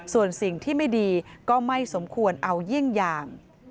ส่วนสิ่งที่ไม่ดีก็ไม่สมควรเอาเยี่ยงอย่าง